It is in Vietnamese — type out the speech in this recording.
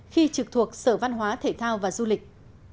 khi trực thuộc sở văn hóa thể thao và du lịch